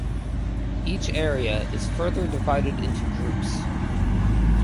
Each Area is further divided into groups.